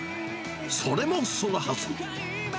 それもそのはず。